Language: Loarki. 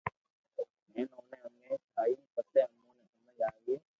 ھين اوني امي ٺايو پسو اموني ھمج ۾ اوئي